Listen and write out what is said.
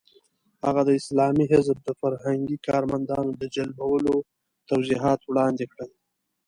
هغه د اسلامي حزب د فرهنګي کارمندانو د جلبولو توضیحات وړاندې کړل.